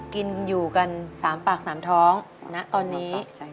กินอยู่กัน๓ปาก๓ท้องณตอนนี้